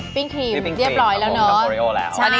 เมื่อกี้เราก็ทำตัว